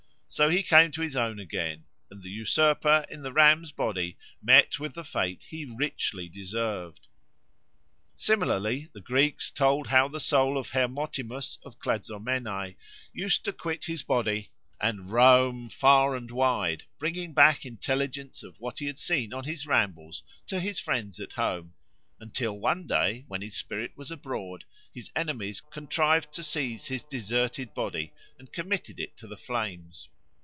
So he came to his own again, and the usurper in the ram's body met with the fate he richly deserved. Similarly the Greeks told how the soul of Hermotimus of Clazomenae used to quit his body and roam far and wide, bringing back intelligence of what he had seen on his rambles to his friends at home; until one day, when his spirit was abroad, his enemies contrived to seize his deserted body and committed it to the flames.